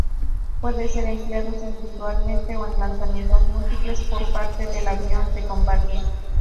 Pueden ser empleados individualmente o en lanzamientos múltiples por parte del avión de combate.